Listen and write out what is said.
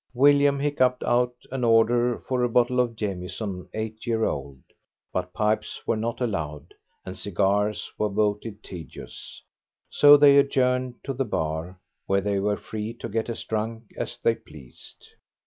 William hiccupped out an order for a bottle of Jamieson eight year old; but pipes were not allowed, and cigars were voted tedious, so they adjourned to the bar, where they were free to get as drunk as they pleased.